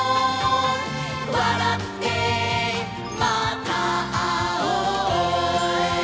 「わらってまたあおう」